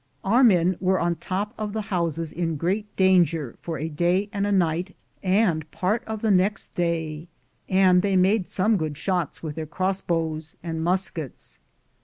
Our men were on top of the houses in great danger for a day and a night and part of the next day, and they made some good shots with their crossbows and muskets.